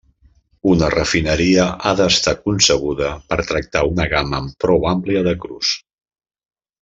Una refineria ha d'estar concebuda per tractar una gamma prou àmplia de crus.